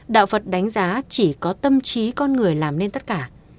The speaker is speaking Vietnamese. đạo phật đánh giá chỉ có tâm trí con người làm nên tất cả